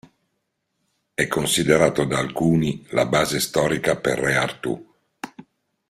È considerato da alcuni la base storica per Re Artù.